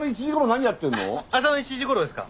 明日の１時ごろですか？